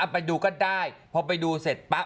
ไปดูก็ได้พอไปดูเสร็จปั๊บ